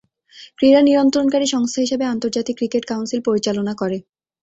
ক্রীড়া নিয়ন্ত্রণকারী সংস্থা হিসেবে আন্তর্জাতিক ক্রিকেট কাউন্সিল পরিচালনা করে।